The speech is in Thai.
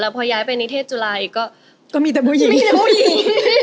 พอย้ายไปนิเทศจุลัยก็มีแต่ผู้หญิงมีแต่ผู้หญิง